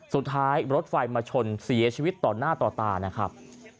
สุดท้ายรถไฟมาชนเสียชีวิตต่อหน้าต่อตานะครับ